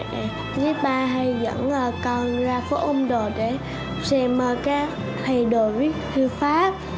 thì ba hay dẫn con ra phố âm độ để xem các thầy đồ viết thư pháp